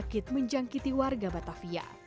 penyakit menjangkiti warga batavia